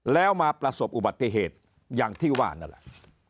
แล้วมาประสบอุบัติเหตุอย่างที่ว่านั่นแหละ